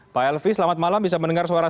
pak helvi selamat malam bisa mendengar suara saya